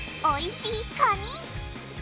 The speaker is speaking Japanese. おいしいカニ！